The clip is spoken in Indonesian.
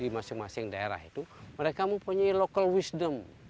di masing masing daerah itu mereka mempunyai kebijaksanaan lokal